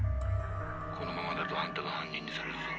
このままだとあんたが犯人にされるぞ